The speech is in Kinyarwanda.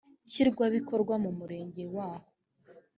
nshingwabikorwa w umurenge w aho